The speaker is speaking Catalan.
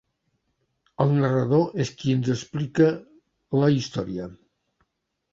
El narrador és qui ens explica la història.